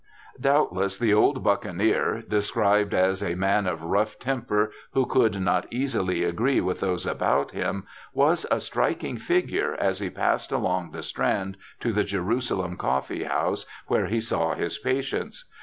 Doubtless the old buccaneer, described as ' a man of rough temper, who could not easily agree with those about him ', was a striking figure as he passed along the Strand to the Jerusalem Coffee House, where he saw his patients.